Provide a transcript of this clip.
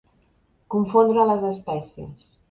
Confondre les espècies.